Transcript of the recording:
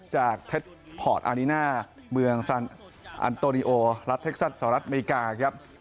จากเท็จพอร์ตอานิน่าเมืองอันโตนิโอรัฐเท็กซัสสหรัฐอเมริกาครับ